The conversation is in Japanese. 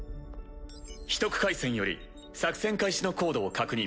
秘匿回線より作戦開始のコードを確認。